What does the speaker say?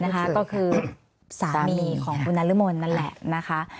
ก็คือสามีของคุณนรมนนั่นแหละนะคะ